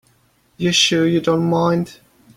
You're sure you don't mind?